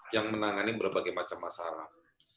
yang menangani berbagai macam masalah